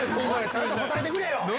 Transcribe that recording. ちゃんと答えてくれよ！